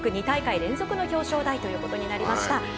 ２大会連続の表彰台ということになりました。